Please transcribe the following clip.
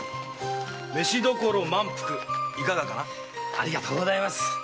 ありがとうございます。